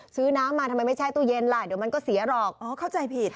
ซื้อน้ำมาทำไมไม่ใช่ตู้เย็นล่ะเดี๋ยวมันก็เสียหรอกอ๋อเข้าใจผิด